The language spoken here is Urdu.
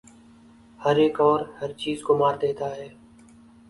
ہر ایک اور ہر چیز کو مار دیتا ہے